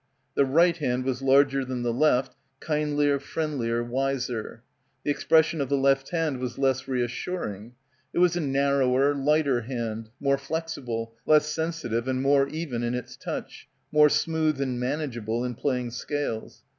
The right hand was larger than the left, kindlier, friendlier, wiser. The expres sion of the left hand was less reassuring. It was a narrower, lighter hand, more flexible, less sensitive and more even in its touch — more smooth and manageable in playing scales.